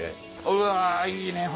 うわいいね。